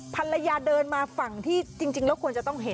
ภรรยาเดินมาฝั่งที่จริงแล้วควรจะต้องเห็น